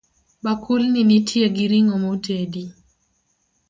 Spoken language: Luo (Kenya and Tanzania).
Bakul ni nitie gi ring'o motedi